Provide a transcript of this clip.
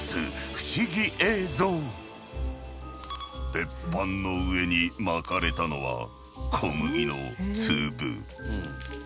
鉄板の上にまかれたのは小麦の粒。